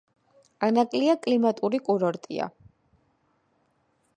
ანაკლია კლიმატური კურორტია.